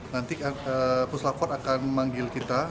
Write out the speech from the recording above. nanti puslaford akan memanggil kita